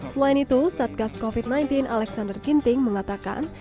selain itu satgas covid sembilan belas alexander ginting mengatakan